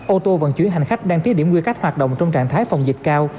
ô tô vận chuyển hành khách đang tiết điểm nguyên khách hoạt động trong trạng thái phòng dịch cao